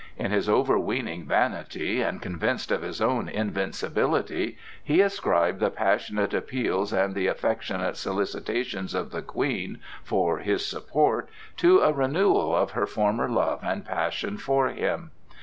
In his overweening vanity, and convinced of his own invincibility, he ascribed the passionate appeals and the affectionate solicitations of the Queen for his support to a renewal of her former love and passion for him.